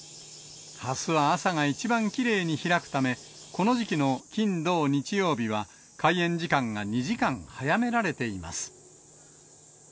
ハスは朝が一番きれいに開くため、この時期の金、土、日曜日は、開園時間が２時間早められています。